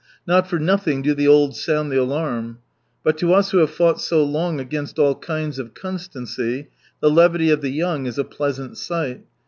Not for nothing do the old sound the alarm. But to us who have fought so long against all kinds of constancy, the levity of the young is a pleasant sight.